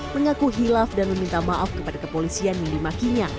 mengaku hilaf dan meminta maaf kepada kepolisian yang dimakinya